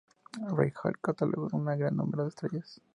Reinhold catalogó un gran número de estrellas.